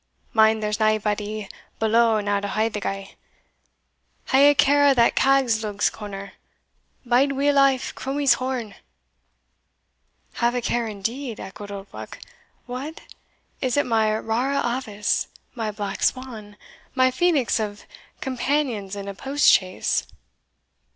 mind there's naebody below now to haud the gy Hae a care o' the Cat's lug corner bide weel aff Crummie's horn!" "Have a care indeed," echoed Oldbuck. "What! is it my rara avis my black swan my phoenix of companions in a post chaise?